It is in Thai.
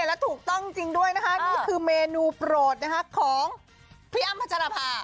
และถูกต้องจริงด้วยนะคะนี่คือเมนูโปรดนะคะของพี่อ้ำพัชรภา